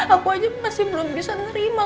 aku aja masih belum bisa nerima